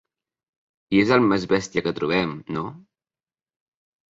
I és el més bèstia que trobem, no?